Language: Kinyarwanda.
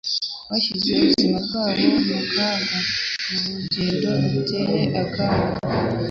Bashyize ubuzima bwabo mu kaga mu rugendo ruteye akaga.